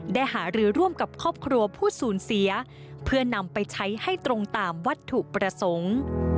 หารือร่วมกับครอบครัวผู้สูญเสียเพื่อนำไปใช้ให้ตรงตามวัตถุประสงค์